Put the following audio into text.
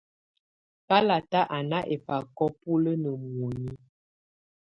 Bàlata á ná ɛbákɔ búlǝ́ ná mǝ́uinyii.